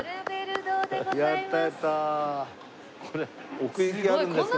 奥行きはあるんですけど。